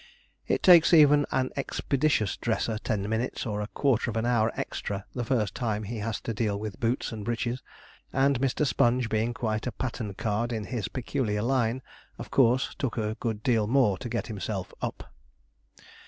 It takes even an expeditious dresser ten minutes or a quarter of an hour extra the first time he has to deal with boots and breeches; and Mr. Sponge being quite a pattern card in his peculiar line, of course took a good deal more to get himself 'up'.